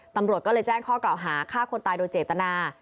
ตำรวจก็เลยแจ้งข้อกล่าวหาฆ่าคนตายโดยเจตนา